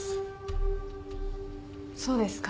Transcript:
そうですか。